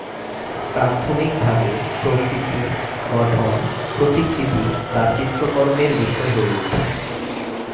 প্রাথমিকভাবে প্রকৃতি, গঠন, প্রতিকৃতি তার চিত্রকর্মের বিষয় হয়ে ওঠে।